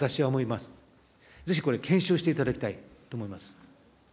ぜひこれ、検証していただきたいと思います。